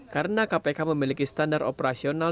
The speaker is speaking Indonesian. karena kpk memiliki standar operasional